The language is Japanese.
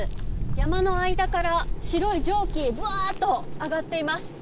山の間から白い蒸気がぶわーっと上がっています。